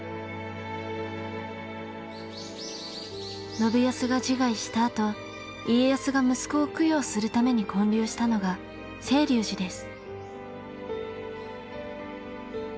信康が自害したあと家康が息子を供養するために建立したのが清瀧寺です。